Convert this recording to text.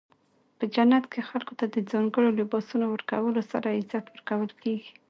په جنت کې خلکو ته د ځانګړو لباسونو ورکولو سره عزت ورکول کیږي.